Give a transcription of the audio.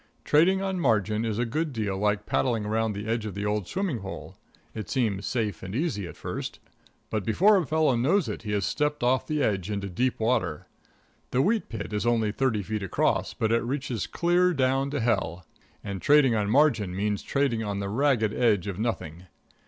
Trading on margin is a good deal like paddling around the edge of the old swimming hole it seems safe and easy at first, but before a fellow knows it he has stepped off the edge into deep water. The wheat pit is only thirty feet across, but it reaches clear down to Hell. And trading on margin means trading on the ragged edge of nothing.